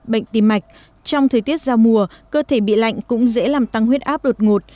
bệnh tim mạch trong thời tiết giao mùa cơ thể bị lạnh cũng dễ làm tăng huyết áp đột ngột